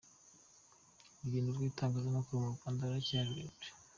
Urugendo rw’itangazamakuru mu Rwanda ruracyari rurerure.